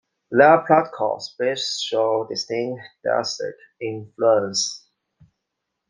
Their political speeches show distinct deistic influence.